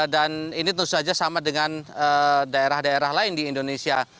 dan ini tentu saja sama dengan daerah daerah lain di indonesia